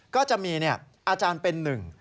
ก็จะมีอาจารย์เป็นหนึ่ง